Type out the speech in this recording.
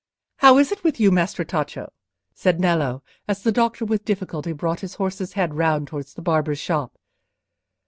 "How is it with you, Maestro Tacco?" said Nello, as the doctor, with difficulty, brought his horse's head round towards the barber's shop.